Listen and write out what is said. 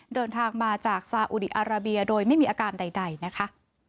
เดินทางมาจากซาอุดีอาราเบียโดยไม่มีอาการใดนะคะ